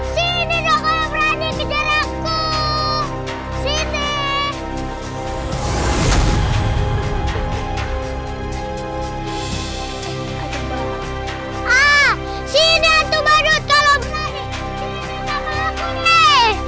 sini hantu badut kalau berlari sini mereka bakal bunuh